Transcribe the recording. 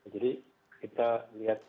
jadi kita lihat